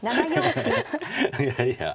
いやいや。